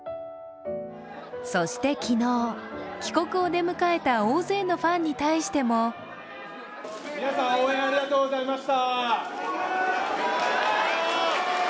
そして昨日、帰国を出迎えた大勢のファンに対しても皆さん、応援ありがとうございました。